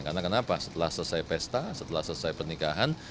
karena kenapa setelah selesai pesta setelah selesai pernikahan